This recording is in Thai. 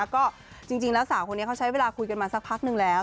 ก็จริงแล้วสาวคนนี้เขาใช้เวลาคุยกันมาสักพักนึงแล้ว